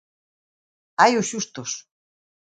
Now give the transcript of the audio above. Hai os xustos.